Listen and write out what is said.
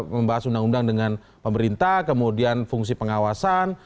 membahas undang undang dengan pemerintah kemudian fungsi pengawasan